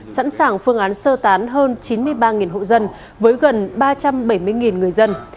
sẵn sàng phương án sơ tán hơn chín mươi ba hộ dân với gần ba trăm bảy mươi người dân